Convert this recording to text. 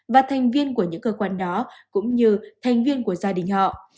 và thành viên của những cơ quan đó cũng như thành viên của gia đình họ